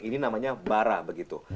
ini namanya bara begitu